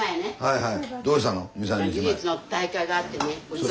はい。